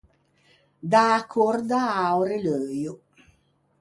Dâ a còrda a-o releuio.